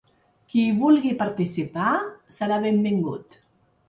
Qui hi vulgui participar, serà benvingut.